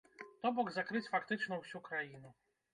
То бок, закрыць фактычна ўсю краіну.